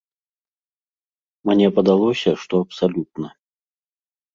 Мне падалося, што абсалютна.